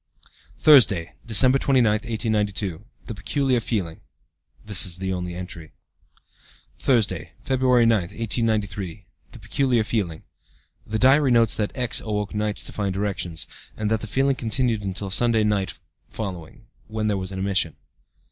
"Thursday, December 29, 1892. The peculiar feeling. (This is the only entry.) "Thursday, February 9, 1893. The peculiar feeling. (The diary notes that X. awoke nights to find erections, and that the feeling continued until Sunday night following, when there was an emission.)